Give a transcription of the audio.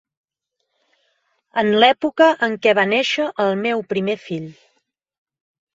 En l'època en què va néixer el meu primer fill.